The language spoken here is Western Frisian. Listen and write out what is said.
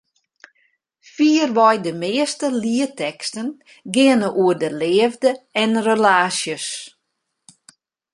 Fierwei de measte lietteksten geane oer de leafde en relaasjes.